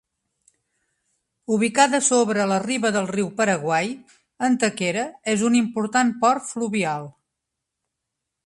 Ubicada sobre la riba del riu Paraguai, Antequera és un important port fluvial.